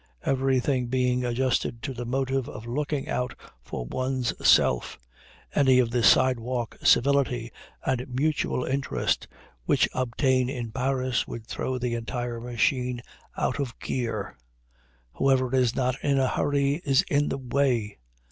Everything being adjusted to the motive of looking out for one's self, any of the sidewalk civility and mutual interest which obtain in Paris would throw the entire machine out of gear. Whoever is not in a hurry is in the way.